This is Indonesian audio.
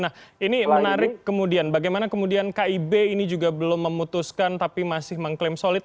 nah ini menarik kemudian bagaimana kemudian kib ini juga belum memutuskan tapi masih mengklaim solid